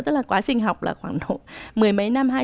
tức là quá trình học là khoảng một mươi mấy năm